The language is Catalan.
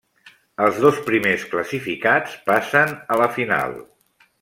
Els dos primers classificats passen a la final.